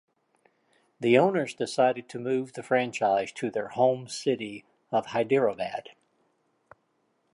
The owners decided to move the franchise to their home city of Hyderabad.